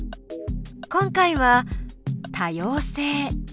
今回は「多様性」。